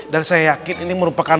dan saya yakin ini merupakan